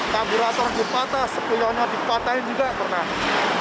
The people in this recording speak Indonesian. kamburator dipatas sepuluhnya dipatahin juga pernah